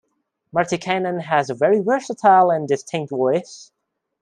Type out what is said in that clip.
Martikainen has a very versatile and distinct voice.